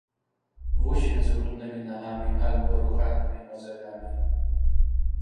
Вусень з груднымі нагамі альбо рухальнымі мазалямі.